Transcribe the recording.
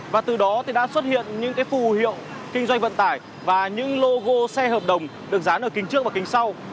và từ đó thì đã xuất hiện những phù hiệu kinh doanh vận tải và những logo xe hợp đồng được dán ở kính trước và kính sau